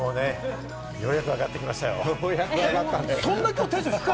ようやく上がってきましたよ。